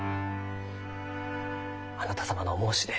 あなた様のお申し出